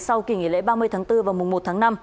sau kỳ nghỉ lễ ba mươi tháng bốn và mùa một tháng năm